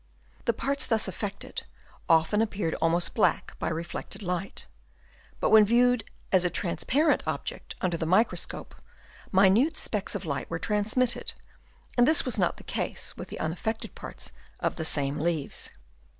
The parts thus affected often appeared almost black by reflected light ; but when viewed as a trans parent object under the microscope, minute specks of light were transmitted, and this was not the case with the unaffected parts of the same leaves.